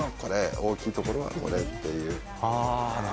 大きいところは、これっていう。